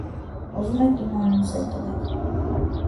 Ուզում եք, իմ անունս էլ տվեք: